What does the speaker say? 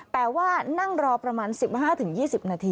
แต่ว่านั่งรอประมาณ๑๕๒๐นาที